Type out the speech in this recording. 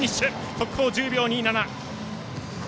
速報１０秒２７。